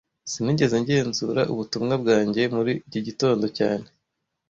Sinigeze ngenzura ubutumwa bwanjye muri iki gitondo cyane